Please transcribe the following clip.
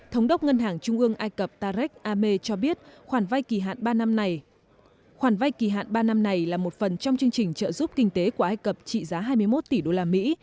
thống đốc ngân hàng trung ương ai cập tarek ame cho biết khoản vay kỳ hạn ba năm này là một phần trong chương trình trợ giúp kinh tế của ai cập trị giá hai mươi một tỷ đô la mỹ